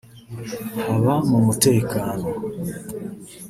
haba mu mutekano